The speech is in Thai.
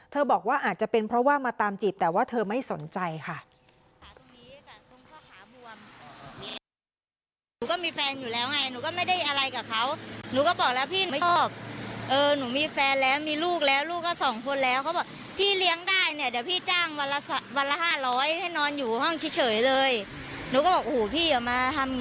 บอกว่าอาจจะเป็นเพราะว่ามาตามจีบแต่ว่าเธอไม่สนใจค่ะ